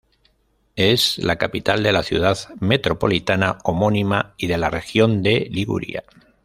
Es la capital de la Ciudad metropolitana homónima y de la región de Liguria.